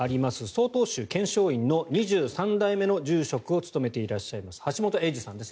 曹洞宗見性院の２３代目の住職を務めていらっしゃいます橋本英樹さんです。